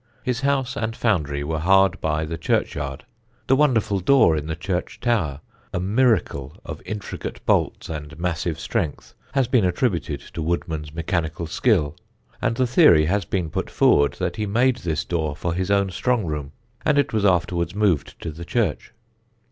His house and foundry were hard by the churchyard. The wonderful door in the church tower, a miracle of intricate bolts and massive strength, has been attributed to Woodman's mechanical skill; and the theory has been put forward that he made this door for his own strong room, and it was afterwards moved to the church.